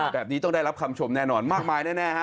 แบบนี้ต้องได้รับคำชมแน่นอนมากมายแน่ฮะ